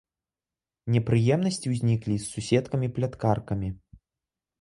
Непрыемнасці ўзніклі і з суседкамі-пляткаркамі.